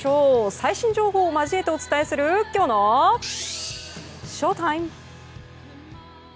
最新情報を交えてお伝えするきょうのＳＨＯＴＩＭＥ。